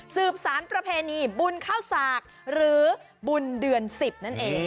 สืบสารประเพณีบุญเข้าสากหรือบุญเดือน๑๐นั่นเอง